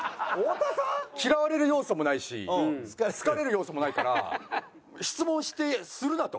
嫌われる要素もないし好かれる要素もないから質問してするなと。